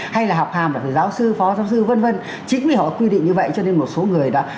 hay là học hàm là phải giáo sư phó giáo sư v v chính vì họ quy định như vậy cho nên một số người